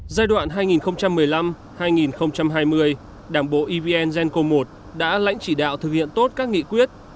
giai đoạn hai nghìn một mươi năm hai nghìn hai mươi đảng bộ evn genco i đã lãnh chỉ đạo thực hiện tốt các nghị quyết